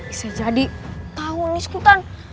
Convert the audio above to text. ini bisa jadi tahu nih sultan